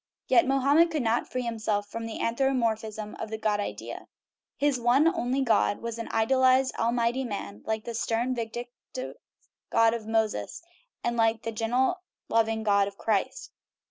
Yet Mohammed could not free himself from the an thropomorphism of the God idea. His one only God was an idealized, almighty man, like the stern, vin dictive God of Moses, and the gentle, loving God of Christ.